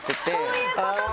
そういうことか。